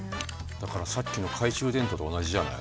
だからさっきの懐中電灯と同じじゃない？